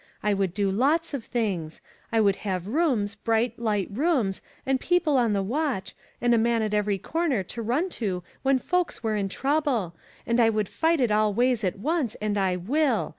I would do lots of things. I would have rooms, bright, light rooms, and people on the watch, and a man at every corner to run to when folks were in trouble, and I would fight it all ways at once, and I will.